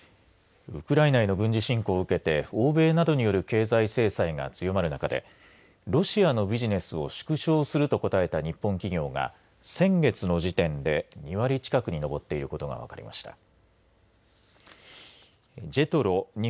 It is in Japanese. ウクライナへの軍事侵攻を受けて欧米などによる経済制裁が強まる中でロシアのビジネスを縮小すると答えた日本企業が先月の時点で２割近くに上っていることが分かりました。